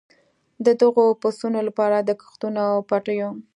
د دغو پسونو لپاره د کښتونو او پټیو.